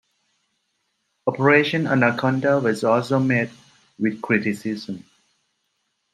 Operation Anaconda was also met with criticism.